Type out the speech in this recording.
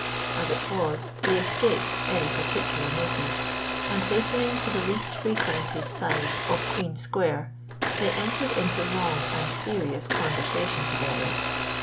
As it was, they escaped any particular notice; and hastening to the least frequented side of Queen Square, they entered into long and serious conversation together.